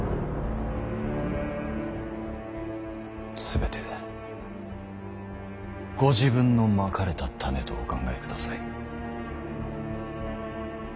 全てご自分のまかれた種とお考えください。